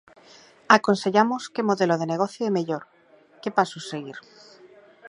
Aconsellamos que modelo de negocio é mellor, que pasos seguir.